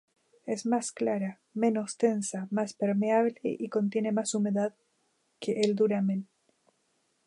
Es más clara, menos densa, más permeable y contiene más humedad que el duramen.